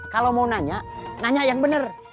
kalau mau nanya nanya yang benar